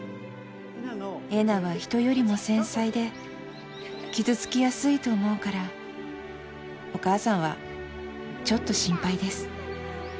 えなは人よりも繊細で傷つきやすいと思うからお母さんはちょっと心配です。